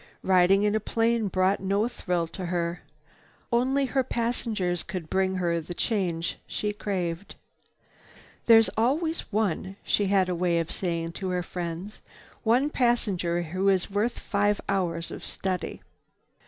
Riding in a plane brought no thrill to her. Only her passengers could bring her the change she craved. "There's always one," she had a way of saying to her friends, "one passenger who is worth five hours of study."